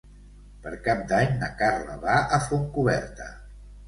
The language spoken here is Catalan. Per Cap d'Any na Carla va a Fontcoberta.